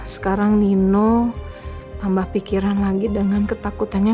sekarang nino tambah pikiran lagi dengan ketakutannya